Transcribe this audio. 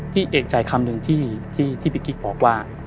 เอกใจคำหนึ่งที่พี่กิ๊กบอกว่า